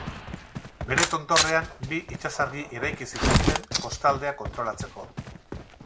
Bere tontorrean bi itsasargi eraiki zituzten kostaldea kontrolatzeko.